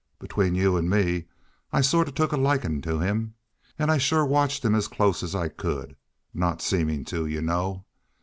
Between you an' me I sort of took a likin' to him. An' I sure watched him as close as I could, not seemin' to, you know.